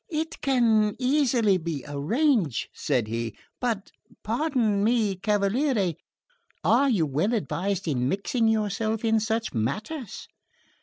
"It can easily be arranged," said he; "but pardon me, cavaliere are you well advised in mixing yourself in such matters?"